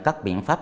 các biện pháp